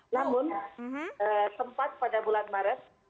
namun sempat pada bulan maret